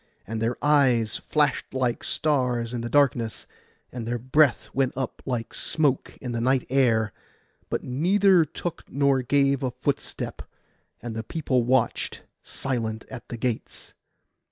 And their eyes flashed like stars in the darkness, and their breath went up like smoke in the night air; but neither took nor gave a footstep, and the people watched silent at the gates.